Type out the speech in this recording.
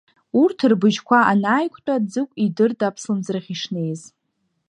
Урҭ рбжьқәа анааиқәтәа, Ӡыкә идырт аԥслымӡрахь ишнеиз.